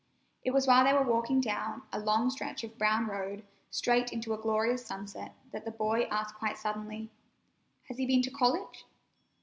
It was while they were walking down a long stretch of brown road, straight into a glorious sunset, that the boy asked quite suddenly: "Has he been to college?"